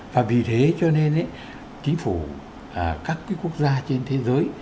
và vì thế cho nên chính phủ các quốc gia trên thế giới